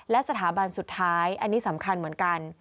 และสถาบันสุดท้ายอันนี้สำคัญเหมือนกัน